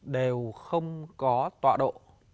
đều không có tọa độ